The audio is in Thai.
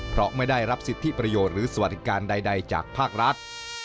เพราะไม่ได้รับสิทธิประโยชน์หรือสวัสดิการใดจากภาครัฐ